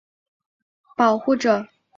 他是她的神圣医师和保护者。